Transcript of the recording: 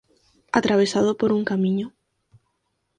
Atravesado por un camiño.